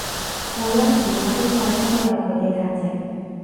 破音字發邊個音都有佢嘅價值